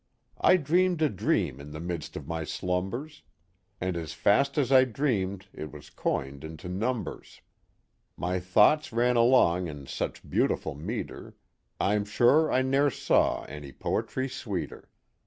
I dreamed a dream in the midst of my slumbers. And as fast as I dreamed it was coined into .numbers; My thoughts ran along in such beautiful metre I 'm sure I ne'er saw any poetry sweeter.